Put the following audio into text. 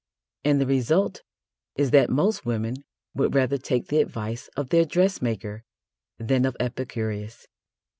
And the result is that most women would rather take the advice of their dressmaker than of Epicurus.